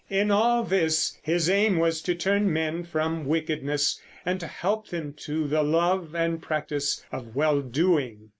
In all this his aim was to turn men from wickedness and to help them to the love and practice of well doing.